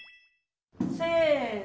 せの。